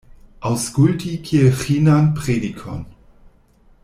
Aŭskulti kiel ĥinan predikon.